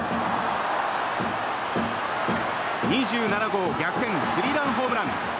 ２７号逆転スリーランホームラン。